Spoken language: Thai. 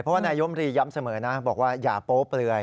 เพราะว่านายมรีย้ำเสมอนะบอกว่าอย่าโป๊เปลือย